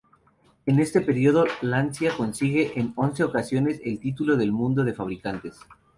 En este período Lancia consigue en once ocasiones el título del mundo de fabricantes.